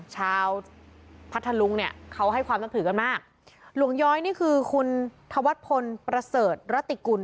พัทธลุงเนี่ยเขาให้ความนับถือกันมากหลวงย้อยนี่คือคุณธวัชพลประเสริฐรติกุล